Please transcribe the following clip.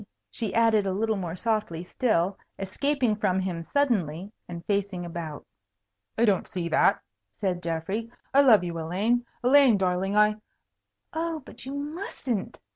she added a little more softly still, escaping from him suddenly, and facing about. "I don't see that," said Geoffrey. "I love you, Elaine. Elaine, darling, I " "Oh, but you mustn't!"